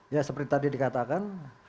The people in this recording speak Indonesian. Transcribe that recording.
ya seperti tadi dikatakan lima puluh lima puluh